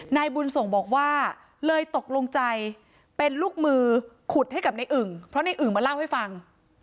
นายบุญส่งบอกว่าเลยตกลงใจเป็นลูกมือขุดให้กับในอึ่งเพราะในอึ่งมาเล่าให้ฟัง